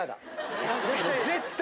絶対？